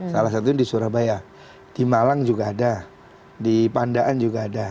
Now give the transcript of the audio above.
salah satunya di surabaya di malang juga ada di pandaan juga ada